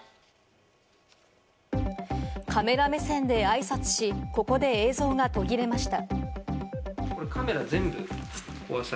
カメラ目線であいさつし、ここで映像が途切れました。